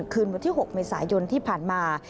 คืนวันที่๖เมษายนที่ผ่านมา